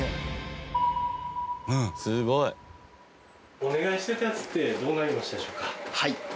すごい。お願いしてたやつってどうなりましたでしょうか？